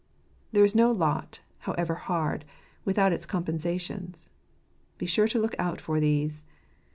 There is no lot, however hard, without its compensations. Be sure to look out for these.